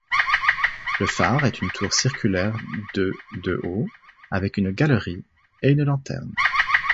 Le phare est une tour circulaire de de haut, avec une galerie et une lanterne.